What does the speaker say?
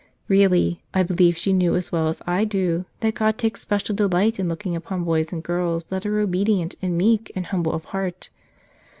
Really, I believe she knew as well as I do that God takes special delight in looking upon boys and girls that are obe¬ dient and meek and humble of heart.